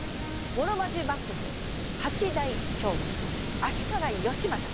室町幕府８代将軍の足利義政じゃ。